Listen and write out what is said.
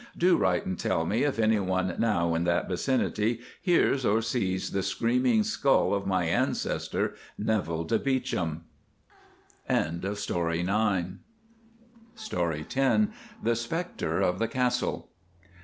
Do write and tell me if anyone now in that vicinity hears or sees the screaming skull of my ancestor, Neville de Beauchamp." The Spectre of the Castle.